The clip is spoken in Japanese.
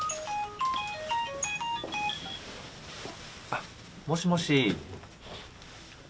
あもしもし。